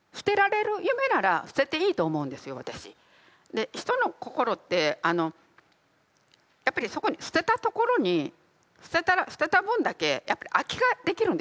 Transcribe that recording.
で人の心ってやっぱりそこに捨てたところに捨てたら捨てた分だけやっぱり空きができるんですよ。